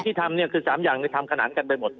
ที่ทำเนี่ยคือ๓อย่างทำขนานกันไปหมด